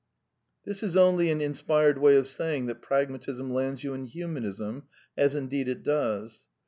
This is only an in spired way of saying that Pragmatism lands you in Humanism, as indeed it does.